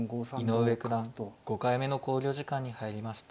井上九段５回目の考慮時間に入りました。